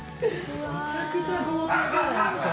めちゃくちゃ豪邸じゃないっすか。